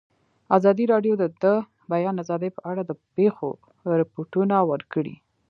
ازادي راډیو د د بیان آزادي په اړه د پېښو رپوټونه ورکړي.